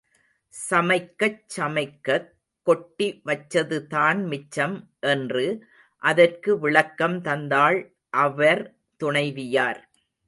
சமைக்கச் சமைக்கக் கொட்டி வச்சதுதான் மிச்சம் என்று அதற்கு விளக்கம் தந்தாள் அவர் துணைவியார்.